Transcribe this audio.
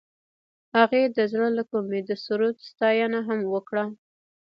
هغې د زړه له کومې د سرود ستاینه هم وکړه.